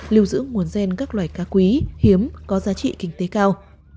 lưu giữ nguồn gen các loài cá quý hiếm có giá trị kinh tế cao